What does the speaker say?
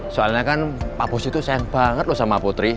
soalnya kan pak bos itu sayang banget loh sama putri